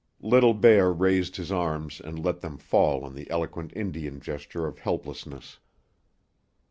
Little Bear raised his arms and let them fall in the eloquent Indian gesture of helplessness.